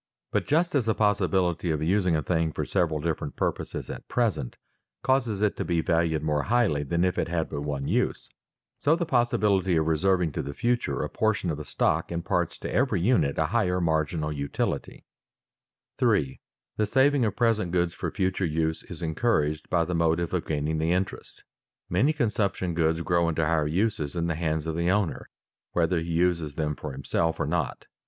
But just as the possibility of using a thing for several different purposes at present causes it to be valued more highly than if it had but one use, so the possibility of reserving to the future a portion of a stock imparts to every unit a higher marginal utility. [Sidenote: Interest is the equalizer of time values] 3. The saving of present goods for future use is encouraged by the motive of gaining the interest. Many consumption goods grow into higher uses in the hands of the owner, whether he uses them for himself or not.